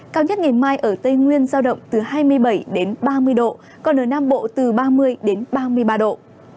cao nhất ngày mai ở tây nguyên giao động từ hai mươi bảy ba mươi độ còn ở nam bộ từ ba mươi ba mươi ba độ